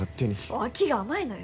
脇が甘いのよ。